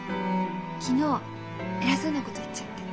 昨日偉そうなこと言っちゃって。